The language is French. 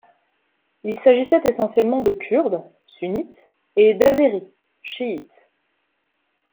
Il s'agissait essentiellement de Kurdes, sunnites, et d'Azéris, chiites.